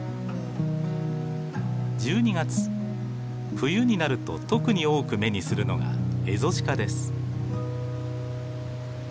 冬になると特に多く目にするのがエゾシカです。